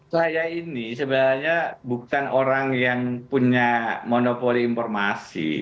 saya ini sebenarnya bukan orang yang punya monopoli informasi